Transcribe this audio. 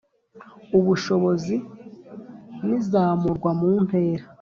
ubushobozi n’izamurwa mu ntera